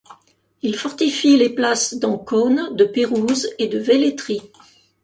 Il fortifie les places d'Ancône, de Pérouse et de Velletri.